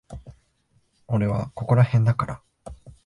俺はここらへんだから。